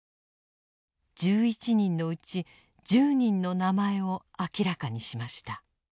１１人のうち１０人の名前を明らかにしました。